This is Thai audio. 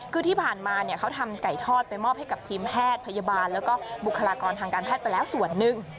คือที่ผ่านมาเขาทำไก่ทอดไปมอบให้กับทีมแพทย์พยาบาลแล้วก็บุคลากรทางการแพทย์ไปแล้วส่วนหนึ่ง